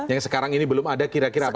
yang sekarang ini belum ada kira kira apa